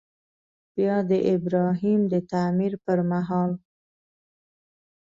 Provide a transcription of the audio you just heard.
بیا د ابراهیم د تعمیر پر مهال.